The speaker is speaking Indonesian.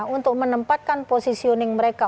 untuk menempatkan positioning mereka